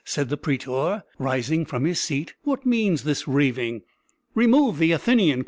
said the prætor, rising from his seat. "What means this raving?" "Remove the Athenian!